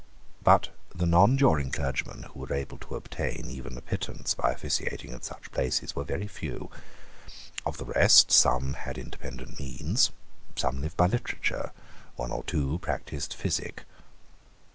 But the nonjuring clergymen who were able to obtain even a pittance by officiating at such places were very few. Of the rest some had independent means: some lived by literature: one or two practised physic.